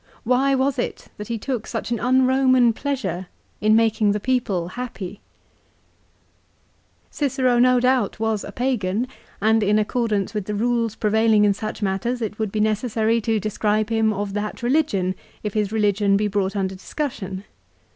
Why was it that he took such an un Koman pleasure in making the people happy ? Cicero no doubt was a pagan, and in accordance with the rules prevailing in such matters.it would be necessary to describe him of that religion, if his religion be brought under discussion.